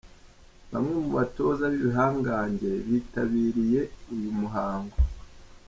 Bamwe mu batoza b’ibihangange bitabiriye uyu muhango.